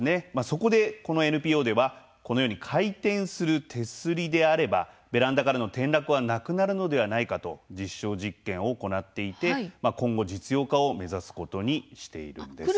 そこでこのＮＰＯでは、このように回転する手すりであればベランダからの転落はなくなるのではないかと実証実験を行っていて今後、実用化を目指すことにしているんです。